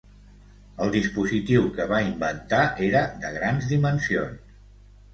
El dispositiu que va inventar era de grans dimensions.